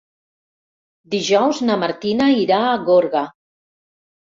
Dijous na Martina irà a Gorga.